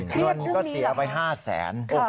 เงินก็เสียไป๕แสน